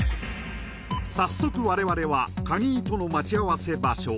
早速我々は鍵井との待ち合わせ場所